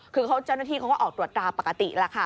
คือเจ้าหน้าที่เขาก็ออกตรวจตราปกติแล้วค่ะ